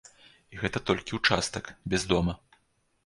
І гэта толькі ўчастак, без дома.